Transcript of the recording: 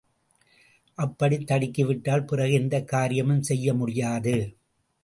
அப்படித் தடுக்கிவிட்டால் பிறகு எந்தக் காரியமும் செய்ய முடியாது.